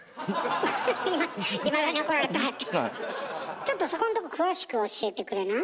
ちょっとそこんとこ詳しく教えてくれない？